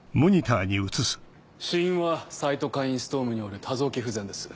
死因はサイトカインストームによる多臓器不全です。